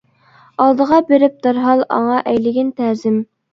ئالدىغا بېرىپ دەرھال، ئاڭا ئەيلىگىن تەزىم.